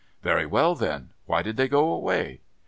Very well then, why did they go away